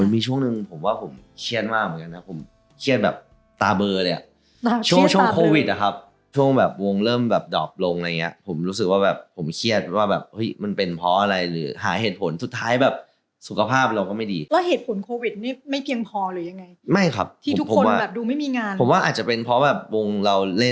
มีช่วงหนึ่งผมว่าผมเครียดมากเหมือนกันนะผมเครียดแบบตาเบอร์เลยอ่ะช่วงช่วงโควิดนะครับช่วงแบบวงเริ่มแบบดอบลงอะไรอย่างเงี้ยผมรู้สึกว่าแบบผมเครียดว่าแบบเฮ้ยมันเป็นเพราะอะไรหรือหาเหตุผลสุดท้ายแบบสุขภาพเราก็ไม่ดีก็เหตุผลโควิดนี่ไม่เพียงพอหรือยังไงไม่ครับที่ทุกคนแบบดูไม่มีงานผมว่าอาจจะเป็นเพราะแบบวงเราเล่